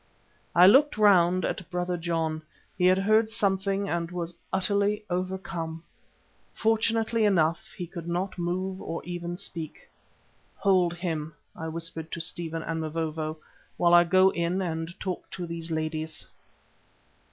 I looked round at Brother John. He had heard something and was utterly overcome. Fortunately enough he could not move or even speak. "Hold him," I whispered to Stephen and Mavovo, "while I go in and talk to these ladies."